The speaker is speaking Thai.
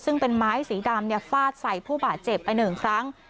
ซึ่งเป็นไม้สีดำฟาดใส่ผู้บาดเจ็บไปหนึ่งครั้ง